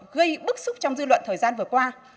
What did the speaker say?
gây bức xúc trong dư luận thời gian vừa qua